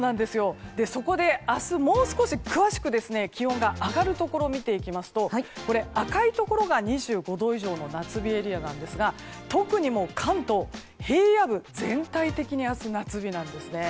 そこで明日、もう少し詳しく気温が上がるところを見ていきますと赤いところが２５度以上の夏日エリアなんですが特に関東の平野部、全体的に明日、夏日なんです。